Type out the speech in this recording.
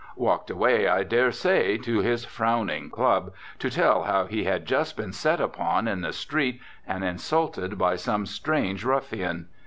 Walked away, I dare say, to his frowning club, to tell how he had just been set upon in the street and insulted by some strange ruffian.